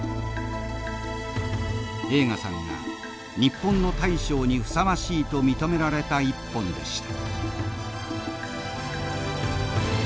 栄花さんが日本の大将にふさわしいと認められた一本でした。